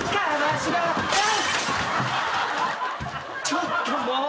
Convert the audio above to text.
ちょっともう。